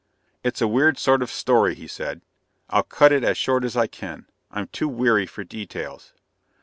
"It's a weird sort of story," he said. "I'll cut it as short as I can. I'm too weary for details.